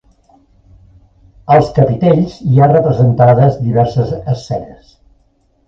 Als capitells hi ha representades diverses escenes.